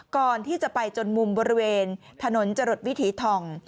ก่อนที่จะไปจนมุมบริเวณถนนจรดวิถีทอง